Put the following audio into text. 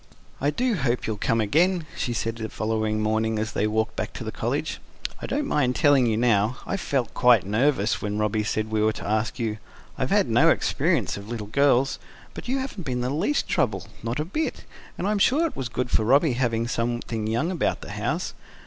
"I do hope you'll come again," she said the following morning, as they walked back to the College. "I don't mind telling you now, I felt quite nervous when Robby said we were to ask you. I've had no experience of little girls. But you haven't been the least trouble not a bit. And I'm sure it was good for Robby having something young about the house.